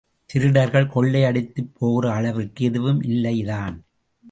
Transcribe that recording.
திருடர்கள் கொள்ளையடித்துப் போகிற அளவிற்கு எதுவும் இல்லைதான்.